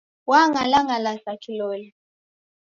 Wang'alang'ala sa kilole.